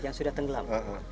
yang sudah tenggelam